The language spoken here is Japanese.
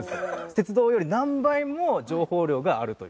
鉄道より何倍も情報量があるという。